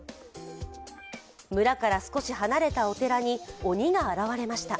村から少し離れたお寺に鬼が現れました。